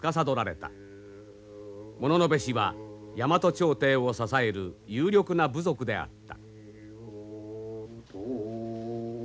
物部氏は大和朝廷を支える有力な部族であった。